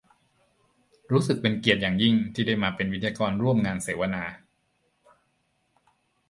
รู้สึกเป็นเกียรติอย่างยิ่ง ที่ได้มาเป็นวิทยากรร่วมงานเสาวนา